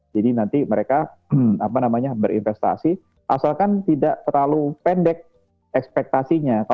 jadi nanti mereka berinvestasi asalkan tidak terlalu pendek ekspektasinya